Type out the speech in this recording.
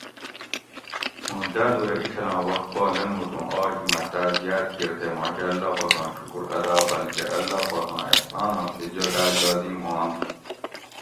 موں دادو رہ ایں چھلاں وخت پا لنگوت اوُں آج مہ تاۤس یاد کِیر تے ما کہ اللّٰہ پاکاں شکر ادا بلکہ اللّٰہ پاکاں احساناں فدیہ داۤگ لازم ھوانت